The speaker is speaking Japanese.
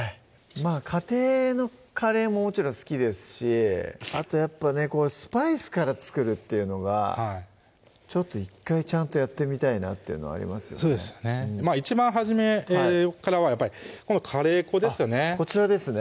家庭のカレーももちろん好きですしあとやっぱねスパイスから作るっていうのが１回ちゃんとやってみたいなというのありますよね一番初めからはカレー粉ですよねこちらですね